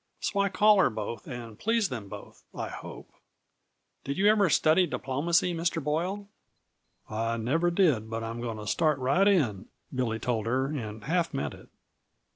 So I call her both and please them both, I hope. Did you ever study diplomacy, Mr. Boyle?" "I never did, but I'm going to start right in," Billy told her, and half meant it.